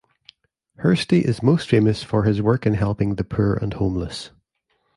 Hursti is most famous for his work in helping the poor and homeless.